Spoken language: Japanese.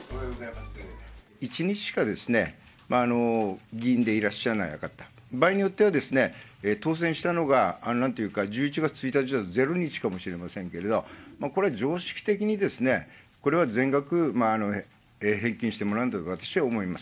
１日しか議員でいらっしゃらない方、場合によっては、当選したのがなんていうか１１月１日だと０日かもしれませんけれども、これ、常識的にこれは全額返金してもらうのがいいと私は思います。